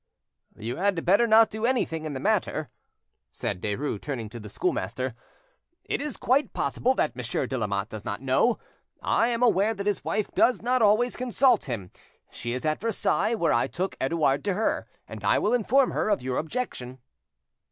"You had better not do anything in the matter;" said Derues, turning to the schoolmaster. "It is quite possible that Monsieur de Lamotte does not know. I am aware that his wife does not always consult him. She is at Versailles, where I took Edouard to her, and I will inform her of your objection."